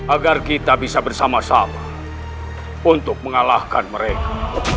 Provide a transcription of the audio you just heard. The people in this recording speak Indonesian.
agar kita bisa bersama sama untuk mengalahkan mereka